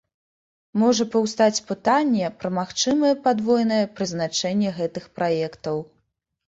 Можа паўстаць пытанне пра магчымае падвойнае прызначэнне гэтых праектаў.